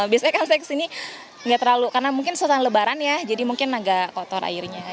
biasanya kan saya ke sini enggak terlalu karena mungkin suasana lebaran ya jadi mungkin agak kotor airnya